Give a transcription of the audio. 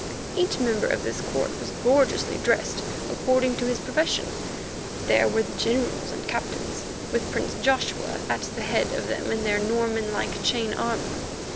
Each member of this court was gorgeously dressed according to his profession. There were the generals and captains with Prince Joshua at the head of them in their Norman like chain armour.